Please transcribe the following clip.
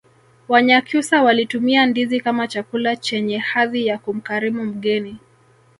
wanyakyusa walitumia ndizi kama chakula chenye hadhi ya kumkarimu mgeni